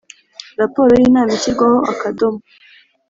raporo y inama ishyirwaho akadomo